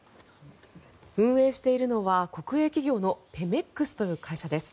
運営しているのは国営企業のペメックスという会社です。